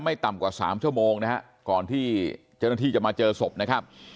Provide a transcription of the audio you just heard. ต่ำกว่าสามชั่วโมงนะฮะก่อนที่เจ้าหน้าที่จะมาเจอศพนะครับ